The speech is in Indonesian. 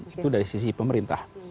itu dari sisi pemerintah